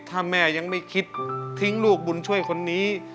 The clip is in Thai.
ถ้าแม่ยังไม่คิดทิ้งลูกบุญช่วยคนนี้